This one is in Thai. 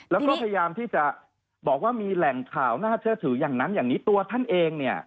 แล้วก็พยายามที่จะบอกว่ามีแหล่งข่าวน่าเชื่อถืออย่างนั้นอย่างนี้ตัวท่านเองเนี่ย